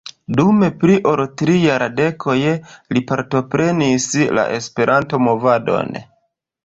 Dum pli ol tri jardekoj li partoprenis la Esperanto-movadon.